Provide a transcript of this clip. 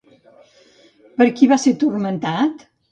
Per qui va ser turmentat?